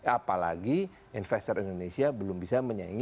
apalagi investor indonesia belum bisa menyaingi